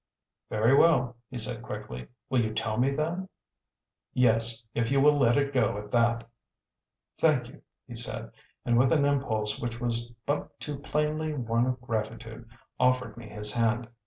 "Very well," he said quickly. "Will you tell me then?" "Yes if you will let it go at that." "Thank you," he said, and with an impulse which was but too plainly one of gratitude, offered me his hand.